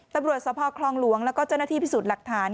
ตำรวจสภคลองหลวงแล้วก็เจ้าหน้าที่พิสูจน์หลักฐาน